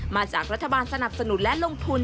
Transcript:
มาจากรัฐบาลสนับสนุนและลงทุน